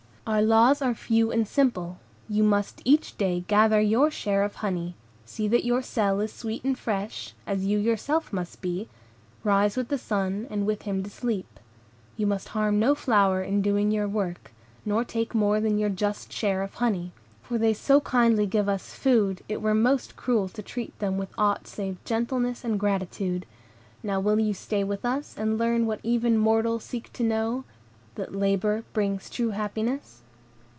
"Our laws are few and simple. You must each day gather your share of honey, see that your cell is sweet and fresh, as you yourself must be; rise with the sun, and with him to sleep. You must harm no flower in doing your work, nor take more than your just share of honey; for they so kindly give us food, it were most cruel to treat them with aught save gentleness and gratitude. Now will you stay with us, and learn what even mortals seek to know, that labor brings true happiness?"